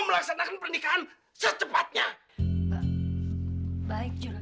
kenapa sampai ada orang orang yang nyulik itu